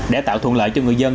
để tạo thuận lợi cho người dân